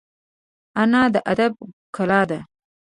انا د ادب کلا ده